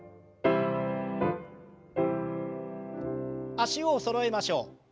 脚をそろえましょう。